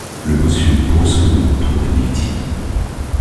Le bossu, brusquement, trouva une victime.